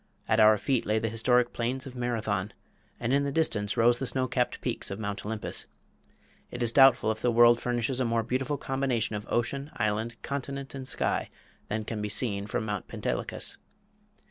At our feet lay the historic plains of Marathon, and in the distance rose the snow capped peaks of Mount Olympus. It is doubtful if the world furnishes a more beautiful combination of ocean, island, continent, and sky than can be seen from Mount Pentelicus.